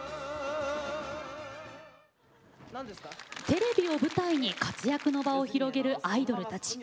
テレビを舞台に活躍の場を広げるアイドルたち。